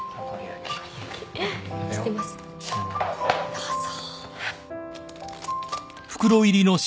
どうぞ。